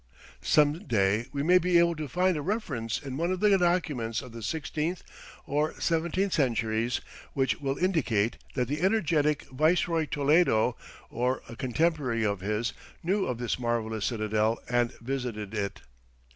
Some day we may be able to find a reference in one of the documents of the sixteenth or seventeenth centuries which will indicate that the energetic Viceroy Toledo, or a contemporary of his, knew of this marvelous citadel and visited it.